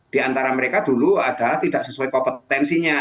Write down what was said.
di antara mereka dulu adalah tidak sesuai kompetensinya